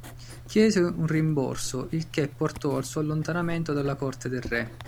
Chiese un rimborso, il che portò al suo allontanamento dalla corte del re.